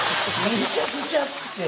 めちゃくちゃ熱くて。